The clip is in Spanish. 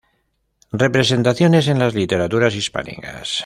Representaciones en las literaturas hispánicas.